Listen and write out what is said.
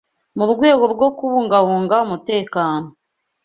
mu rwego rwo kubungabunga umutekano